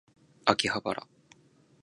秋葉原